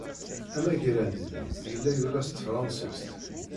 Amagrad-nni yella yura s tefṛensist.